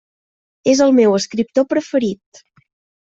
És el meu escriptor preferit.